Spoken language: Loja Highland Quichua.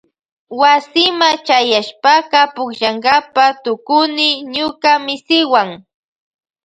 Wasima chayashpaka pukllankapa tukuni ñuka misiwan.